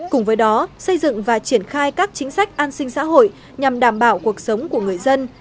cùng với đó xây dựng và triển khai các chính sách an sinh xã hội nhằm đảm bảo cuộc sống của người dân